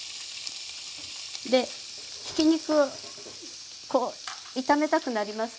でひき肉こう炒めたくなりますけど。